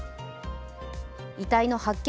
遺体の発見